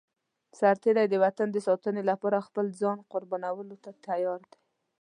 سرتېری د وطن د ساتنې لپاره خپل ځان قربانولو ته تيار دی.